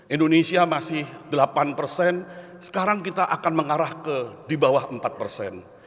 indonesia masih delapan persen sekarang kita akan mengarah ke di bawah empat persen